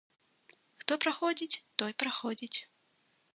Хто праходзіць, той праходзіць.